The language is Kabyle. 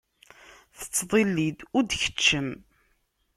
Tettḍilli-d ur d-tkeččem.